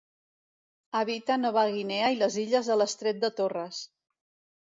Habita Nova Guinea i les illes de l'estret de Torres.